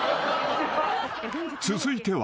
［続いては］